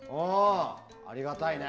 ありがたいね。